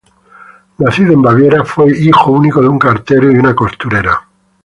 Nacido en Baviera, fue hijo único de un cartero y una costurera.